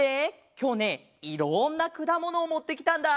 きょうねいろんなくだものをもってきたんだ！